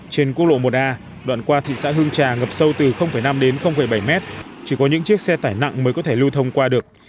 trên quốc lộ một a đoạn qua thị xã hương trà ngập sâu từ năm đến bảy mét chỉ có những chiếc xe tải nặng mới có thể lưu thông qua được